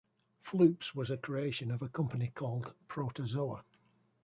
Floops was a creation of a company called "Protozoa".